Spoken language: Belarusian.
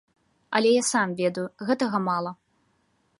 Але я сам ведаю, гэтага мала.